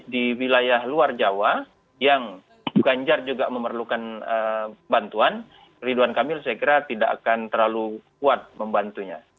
di wilayah luar jawa yang ganjar juga memerlukan bantuan ridwan kamil saya kira tidak akan terlalu kuat membantunya